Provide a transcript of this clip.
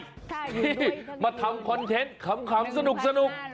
ใครที่มาทำคอนเทนต์ขำสนุก